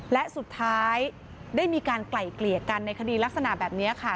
และสุดท้ายได้มีการไกล่เกลี่ยกันในคดีลักษณะแบบนี้ค่ะ